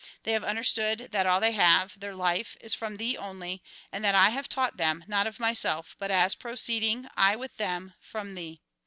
They have understood that all they have, their life, is from Thee only, and that I have taught them, not of myself, but as proceeding, I with them, from Thee.